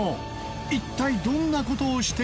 一体どんな事をしているのか？